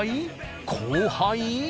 後輩？